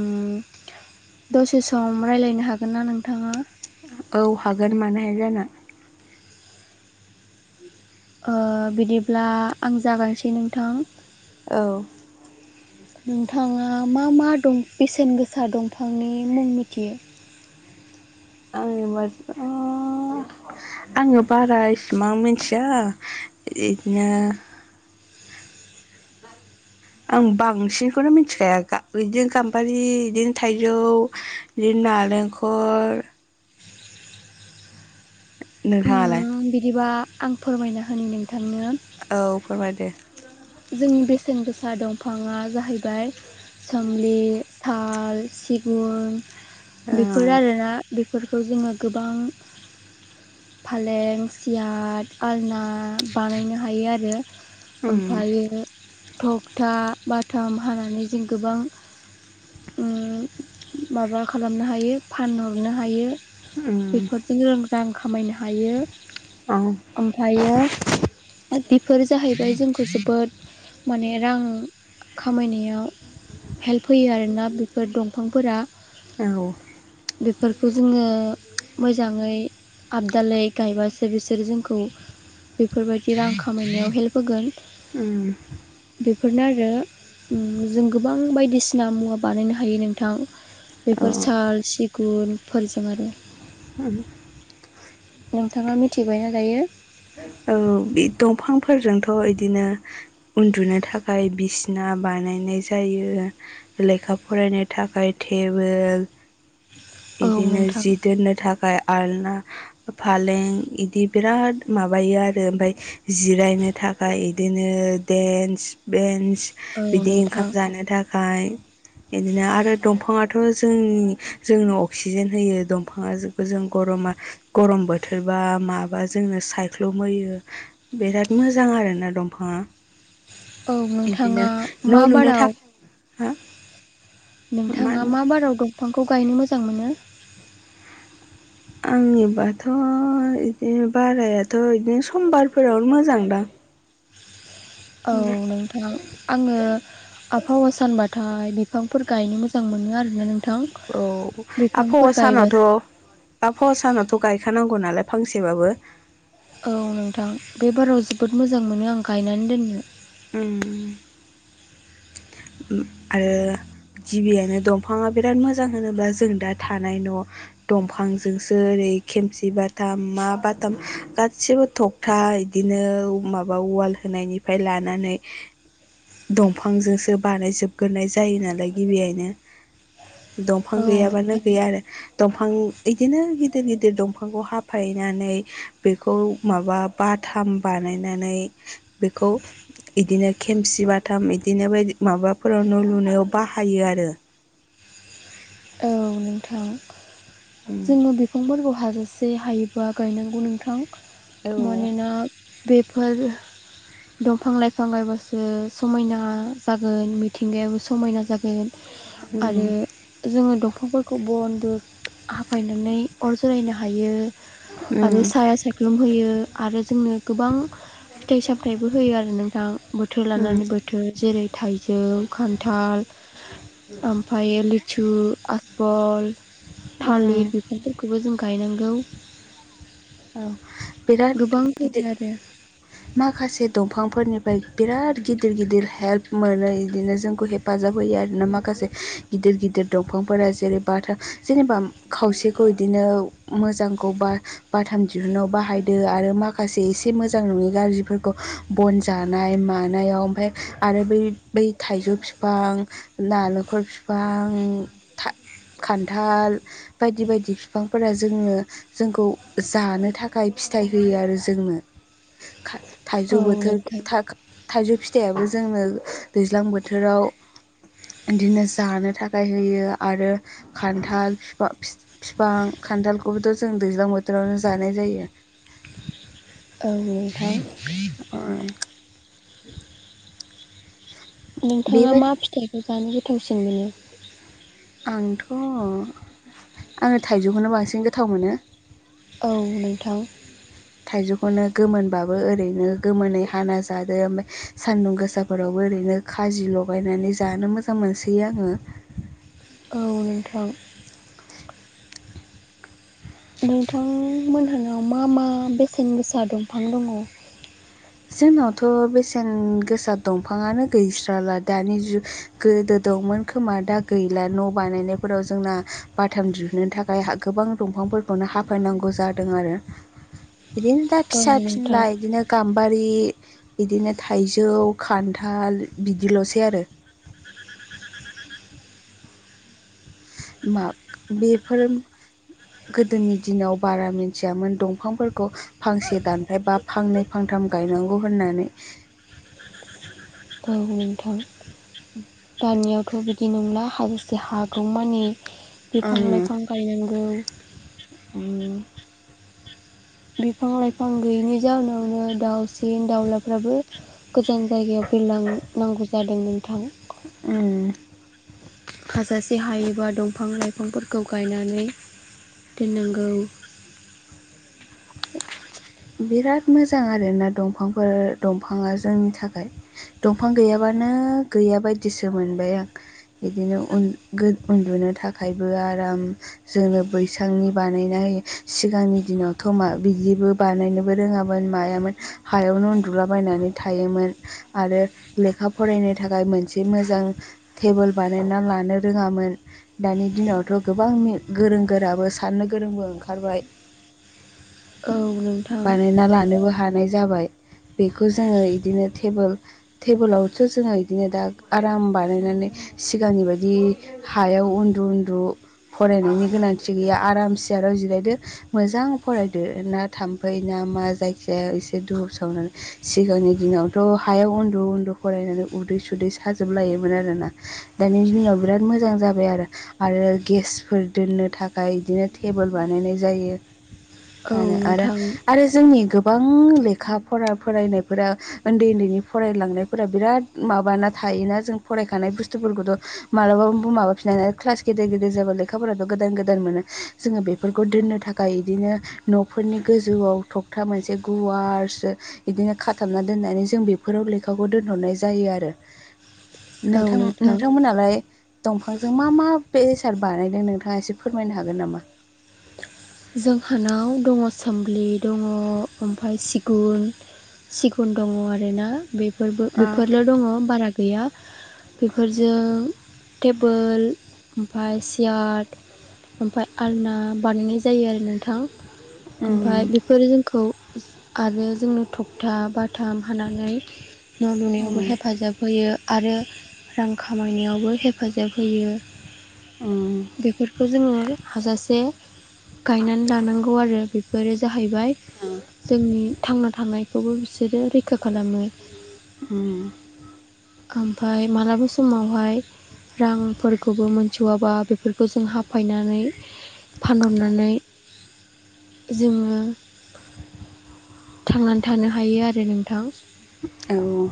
ओ दसे सम राय्लायनो हागोन ना नोंथाङा औ हागोन मानो हाया जानो ओ बिदिब्ला आं जागायसै नोंथां औ नोंथाङा मा मा दं बेसेन गोसा दंफांनि मुं मिथियो [unintelligible] आङो बारा इसिबां मिथिया बिदिनो आं बांसिनखौनो मिथिखाया बिदिनो गाम्बारि बिदिनो थाइजौ बिदिनो नारेंखर उम नोंथाङालाय बिदिबा आं फोरमायना होनो नोंथांनो औ फोरमायदो जोंनि बेसेन गोसा दंफाङा जाहैबाय सोमलि साल सिगुन ओ बेफोरो आरोना बेफोरखौ जोङो गोबां फालें सियार आलना बानायनो हायो आरो उम फायो थखथा बाथाम हानानै जों गोबां उम माबा खालामनो हायो फानहरनो हायो उम बेफोरजों रोंजां खामायनो हायो औ ओमफ्रायो बेफोर जाहैबाय जों जोबोद माने रां खामायनायाव हेल्प होयो आरोना बेफोर दंफांफोरा औ बेफोरखौ जोङो मोजाङै आबदालाय गायबासो बिसोरो जोंखौ बेफोरबायदि रां खामायनायाव हेल्प होगोन। उम बेफोरनो आरो जों गोबां बायदिसिना मुवा बानायनो हायो नोंथां। औ बेफोर साल सिगुनफोरजों आरो। उम नोंथाङा मिथिबायना दायो? औ बे दंफांफोरजोंथ' बिदिनो उन्दुनो थाखाय बिसिना बानायनाय जायो लेखा फरायनो थाखाय थेबोल औ बिदिनो नोंथां। जि दोननो थाखाय आलना फालें इदि बिराद माबायो आरो ओमफ्राय जिरायनो थाखाय बिदिनो देन्स बे औ बिदि नोंथां ओंखाम जानो थाखाय बिदिनो आरो दंफाङाथ' जोंनि जोंनो अक्सिजेन होयो दंफाङा जों गरमा गमर बोथोरबा माबा जों साइख्लु म होयो बिराद मोजां आरोना दंफाङा। औ इदिनो नोंथाङा मा न' लुनो बाराव थाखाय हो नोंथाङा मा बाराव दंफांखौ गायनो मोजां मोनो? आंनिबाथ' बिदि बारायाथ' बिदिनो समबारफोरावनो मोजांदां। औ नोंथां। आङो आबहावा सानबाथाय बिफांफोर गायनो मोजां मोनो आरो। औ आबहावा गायबा सानावथ' आबहावा सानावथ' गायखानां गौ नालाय फांसेबाबो। औ नोंथां बे बाराव जोबोद मोजां मोनो आं गायनानै दोननो। उम आरो गिबियानो दंफाङा बिराद मोजां होनोब्ला जों दा थानाय न' दंफांजोंसो ओरै खेमसि बाथम मा बाथाम गासैबो थगथा इदिनो माबा होनायनिफ्राय लानानै दंफांजोंसो बानायजोबग्रोनाय जायो नालाय गिबियैनो दंफां औ गैयाबानो नोंथां गैया आरो। दंफां बिदिनो गिदिर गिदिर दंफांखौ हाफायनानै बेखौ माबा बाथाम बानायनानै बेखौ इदिनो खेमसि सिबाथाम बिदिनो ब माबाफोराव न' लुनायाव बाहायो आरो। औ नोंथां उम जोङो बिफांफोरखौ हाजासे हायोबा गायनांगौ नोंथां उम मानोना बेफोर दंफां लाइफां गायबासो समायना जागोन मिथिंगायाबो समायना जागोन। आरो जोङो दंफांफोरखौ बनबो हाफायनानै अर जरायनो हायो उम आरो साया सायख्लुम होयो आरो जोंनो गोबां [inaudible] फिथाइ सामथायबो होयो आरो नोंथां बोथोर उम लानानै बोथोर जेरै थाइजौ खान्थाल आमफायो लिचु आखफल उम थालिर बेफोरखौबो जों गायनांगौ। औ बिराद गोबां गिदिर होयो आरो माखासे दंफांफोरनि ओमफ्राय बिराद गिदिर गिदिर हेल्प मोनो बिदिनो जोंखौ हेफाजाब होयो आरो ना माखासे गिद दिर गिदिर दंफांफोरा जेरैबाथा जेनेबा खावसेखौ बिदिनो मोजांखौ बा बाथाम दिहुनाव बाहायदो आरो माखासे एसे मोजां नङि गाज्रिफोरखौ बन जानाय मानायाव ओमफाय आरो बै बै थाइजौ फिफां नालेंखल फिफां खान्थाल बायदि बायदि फिफांफोरा जोङो जोंखौ जानो थाखाय फिथाइ होयो आरो जोंनो खा औ थाइजौ बोथोर नोंथां था थाइजौ फिथायाबो जोंनो दैज्लां बोथोराव बिदिनो जानो थाखाय होयो आरो खान्थाल फिफां खान्थालखौबोथ' जों दैज्लां बोथोरावनो जानाय जायो। ओं ओमफ्राय ओं नोंथाङा मा बेबायदि फिथाइखौ जानो गोथावसिन मोनो? आंथ' आङो थाइजौखौनो बांसिन गोथाव मोनो। औ नोंथां। थाइजौखौनो गोमोनबाबो ओरैनो गोमोनै हाना जादो ओमफ्राय सान्दुं गोसाफोरावबो ओरैनो खाजि लगायनानै जानो मोजां मोनसोयो आङो। औ नोंथां नोंथां मोनहोनाव मा मा बेसेन गोसा दंफां दङ'? जोंनावथ' बेसेन गोसा दंफाङानो गैस्राला दानि जुग गोदो दंमोन खोमा दा गैला न' बानायनायफोराव जोंना बाथाम दिहुुननो थाखाय गोबां दंफां नो हाफायनांगौ जादों आरो बिदिनो दा औ फिसा नोंथां फिनला इदिनो बारि बिदिनो थाइजौ खान्थाल बिदिल'सै आरो। [unintelligible] मा बेफोर गोदोनि दिनाव बारा मिथियामोन दंफांफोरखौ फांसे दानफायबा फांनै फांथाम गायनांगौ होननानै औ नोंथां दानियावथ बिदि नंला हाजासे हागौमानि बिफां उम लाइफां गायनांगौ उम बिफां लाइफां गैयैनि जाउनावनो दाउसिन दाउलाफ्राबो गोजान जायगायाव बिरलांनांगौ जादों नोंथां उम हाजासे हायोबा दंफां लाइफांफोरखौ गायनानै दोननांगौ बिराद मोजां आरोना दंफांफोर दंफाङा जोंनि थाखाय दंफां गैयाबा नो गैया बायदिसो मोनबाय आं बिदिनो उन-गो- उन्दुनो थाखायबो आ- राम जोंनो बैसांनि बानायनाय सिगांनि दिनावथ' मा बिदिबो बानायनोबो रोङामोन मायामोन हायावनो उन्दुलाबायनानै थायोमोन आरो लेखा फरायनो थाखाय मोनसे मोजां टेबोल बानायना लानो रोङामोन दानि दिनाव थ' गोबां गोरों गोराबो सान्नो गोरोंबो ओंखारबाय नोंथां बानायना लानोबो हानाय जाबाय बेखौ जोङो इदिनोटेबोल टेबोलावथ' जोङो इदिनो दा आराम बानायनानै सिगांनि बायदि हायाव उन्दु उन्दु फरायनायनि गोनांथि गैया आरामसे जिरायदो मोजां फरायदो ना थाम्फै ना मा जायखिजाया एसे दुब सावनानै सिगांनि दिनावथ' हायाव उन्दु उन्दु फरायनानै उदै सुदै साजोबलायोमोन आरोना दानि दिनाव बिराद मोजां जाबाय आरो आरो गेसफोर दोननो थाखाय बिदिनो टेबोल बानायनाय जायो औ आरो आरो नोंथां आरो जोंनि गोबां लेखा फरा फरायनायफोरा उन्दै उन्दैनि फरायलांनायफोरा बिराद माबाना था- योना जों फरायखानाय बुस्थुफोरखौथ' मालाबा माबाफिनाना क्लास गेदेर गेदेर जाबा लेखाफोराथ' गोदा- न गोदान मोनो जोङो बेफोरखौ दोननो थाखाय बिदिनो न'फोरनि गोजौआव थगथा मोनसे गुवारसो बिदिनो खाथाबना दोननानै जों बेफोराव लेखाखौ दोन- हरनाय जायो आरो नोंथां नोंथांमोनालाय दंफांजों मा मा बेसाद बानायदों नोंथाङा एसे फोरमायनो हागोन नामा जोंहानाव दङ सोमलि दङ ओमफाय सिगुन सिगुन दङ आरोना बे फोरबो ओ बेफोरल' दङ बारा गैया बेफोरजों टेबोल ओमफाय सियार ओमफाय आलना बानायनाय जायो आरो नोंथां ओमफाय उम बेफोरो जोंखौ आरो जोंनो थखथा बा थाम होनानै न' लुनायावबो उम हेफाजाब होयो। आरो रां खामायनायावबो हेफाजाब होयो। उम बेफोरखौ जोङो हाजासे गायनानै लानांगौ आरो बेफोरो जाहैबाय जोंनि थांना थानाय खौबो बिसोरो रैखा खालामो। उम ओमफाय मालाबा समावहाय रांफोरखौबो मोनस'वाबा बेफोरखौ जों हाफायनानै फानहरनानै जोङो थांनानै थानो हायो आरो नोंथां औ औ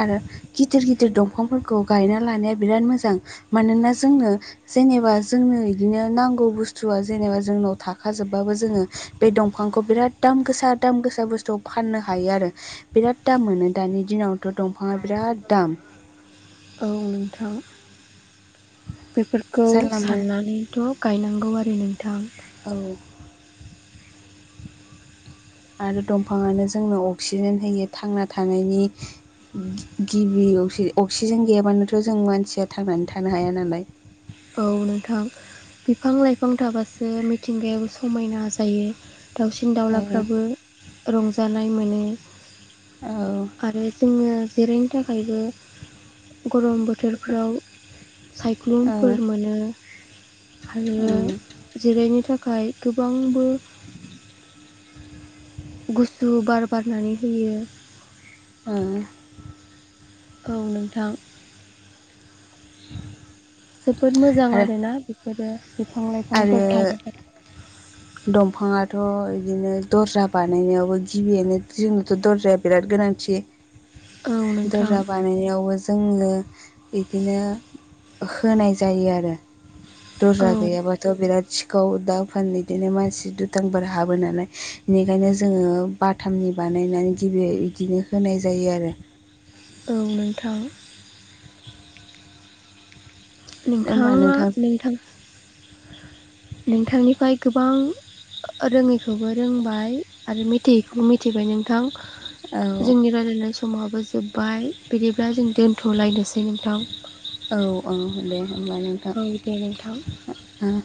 आरो गिदिर गिदिर दंफांफोरखौ गायना लानाया बिराद मोजां मानोना जोंनो जेनेबा जोंनो इदिनो नांगौ बुस्थुआ जेनेबा जोंनाव थाखाजोबबाबो जोङो बे दंफां खौ बिराद दाम गोसा दाम गोसा बुस्थु फाननो हायो आरो बिराद दाम मोनो दानि दिनाव। थ' दंफाङा बिराद दाम औ नोंथां बेफोरखौ जानला मोनला साननानैथ' गायनांगौ आरो नोंथां। औ आरो दंफाङानो जोंनो अक्सिजेन होयो थांना थानायनि गिबि अक्सि अक्सिजेन गैयाबानोथ' जों मानसिया थांनानै थानो हाया नालाय औ नोंथां बिफां लाइफां थाबासो मिथिंगायाबो समायना जायो। दाउसिन औ दाउलाफ्राबो रंजानाय मोनो। औ आरो जोङो जिराय थाखायबो गरम बोथोरफ्राव सायख्लुम ओ फोर मोनो आरो ओं जिरायनो थाख खाय गोबांबो गुसु बार बारनानै होयो। ओ औ नोंथां [inaudible] जोबोद मोजां आरो आरोना बेफोरो बिफां लाइफांफोर आरो थायोब्ला दंफाङा थ' बिदिनो दरजा बानायनायावबो गिबियैनो जोंनोथ' दरजाया बिराद गोनांथि। औ नोंथां दरजा बानायनायावबो जोङो बिदिनो होनाय जायो आरो औ दरजा गैयाबा सिखाव दा फोन बिदिनो मानसि दुथांफोर हाबो नालाय बेनिखायनो जोङो बाथाम नि बानायनानै गिबियै इदिनो होनाय जायो आरो औ नोंथां। नोंथाङा नोंथां नोंथांनिफ्राय गोबां रोङैखौबो रोंबाय आरो मिथियैखौबो मिथिबाय नोंथां। औ जोंनि रायलायनाय समा बो जोब्बाय बिदिब्ला जों दोनथ'लायनोसै नोंथां औ औ दे होमबा नोंथां औ दे नोंथां ओ।